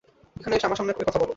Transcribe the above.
এখানে এসে আমার সামনে একথা বলো!